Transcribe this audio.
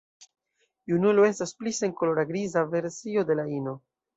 Junulo estas pli senkolora griza versio de la ino.